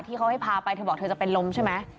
ที่เขาให้พาไปเธอบอกเธอจะเป็นลมใช่ไหม